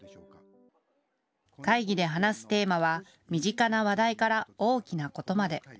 会議で話すテーマは身近な話題から大きなことまで。